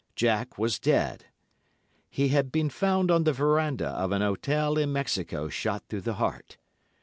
Jack was dead. He had been found on the verandah of an hotel in Mexico shot through the heart.